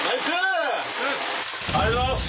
ありがとうございます。